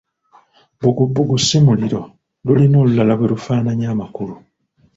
Bbugubugu si muliro, lulina olulala bwe lufaananya amakulu.